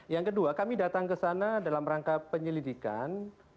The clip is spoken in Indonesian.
yang kedua kami datang ke sana dalam rangka penyelidikan